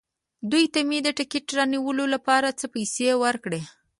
دوی ته مې د ټکټ رانیولو لپاره څه پېسې ورکړې.